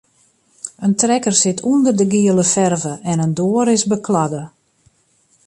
In trekker sit ûnder de giele ferve en in doar is bekladde.